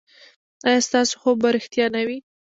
ایا ستاسو خوب به ریښتیا نه وي؟